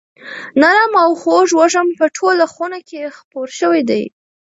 نرم او خوږ وږم په ټوله خونه کې خپور شوی دی.